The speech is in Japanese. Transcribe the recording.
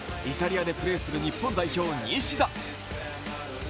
イタリアでプレーする日本代表・西田。